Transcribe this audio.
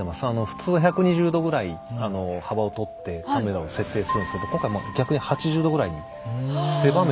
普通１２０度ぐらいあの幅をとってカメラを設定するんですけど今回逆に８０度ぐらいに狭めてるんですよ。